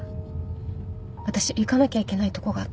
私行かなきゃいけないとこがあって。